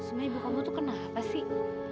sama ibu kamu tuh kenapa sih